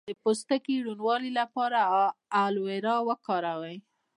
د پوستکي روڼوالي لپاره ایلوویرا وکاروئ